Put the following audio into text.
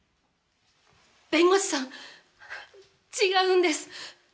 弁護士さん違うんです！